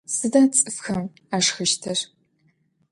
Сыда цӏыфхэм ашхыщтыр?